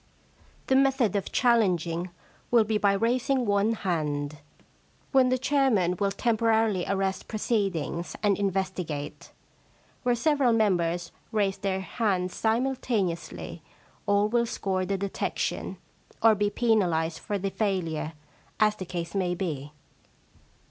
* The method of challenging will be by raising one hand, when the chairman will 128 The Shakespearean Problem temporarily arrest proceedings and investigate. Where several members raise their hands simultaneously, all will score the detection, or be penalised for the failure, as the case may be.